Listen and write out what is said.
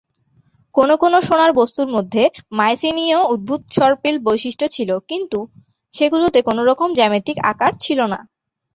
কোন কোন সোনার বস্তুর মধ্যে মাইসিনীয় উদ্ভূত সর্পিল বৈশিষ্ট্য ছিল, কিন্তু সেগুলোতে কোনরকম জ্যামিতিক আকার ছিল না।